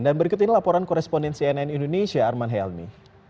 dan berikut ini laporan korespondensi nn indonesia arman helmi